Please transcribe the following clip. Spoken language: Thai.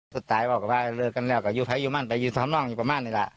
สุดท้ายบอกกับว่าเลิกกันแล้วก็อยู่ใครอยู่มั่นไปยืนทำน้องอยู่ประมาณนี้ล่ะ